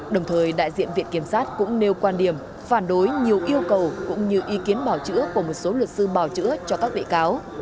đồng thời đại diện viện kiểm sát cũng nêu quan điểm phản đối nhiều yêu cầu cũng như ý kiến bảo chữa của một số luật sư bảo chữa cho các bị cáo